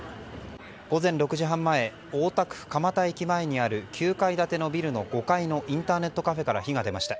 午前６時半前大田区蒲田駅前にある９階建てのビルの５階のインターネットカフェから火が出ました。